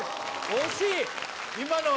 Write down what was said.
・惜しい！